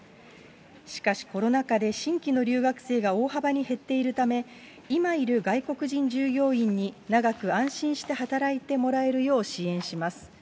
しかしコロナ禍で新規の留学生が大幅に減っているため、今いる外国人従業員に長く安心して働いてもらえるよう支援します。